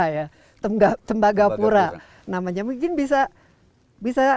ya ia juga subsist dibilang instagram ya